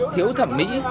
thiếu thẩm mỹ